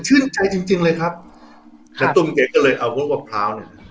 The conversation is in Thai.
ชื่นใจจริงจริงเลยครับครับแล้วตุ่มเจ๊ก็เลยเอาลูกมะปราวเนี่ย